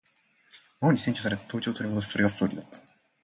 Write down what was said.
魔王に占拠された東京を取り戻す。それがストーリーだった。